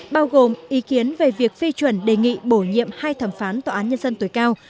bao gồm ý kiến về việc phê chuẩn đề nghị bổ nhiệm hai thẩm phán tòa án nhân dân tối cao